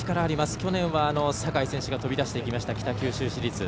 去年は酒井選手が飛び出していった北九州市立。